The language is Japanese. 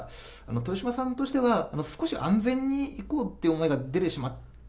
豊島さんとしては少し安全にいこうっていう思いが出てしまった。